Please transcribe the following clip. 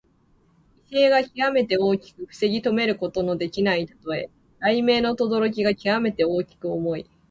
威勢がきわめて大きく防ぎとめることのできないたとえ。雷鳴のとどろきがきわめて大きく重い。